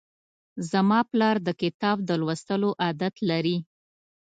زما پلار د کتاب د لوستلو عادت لري.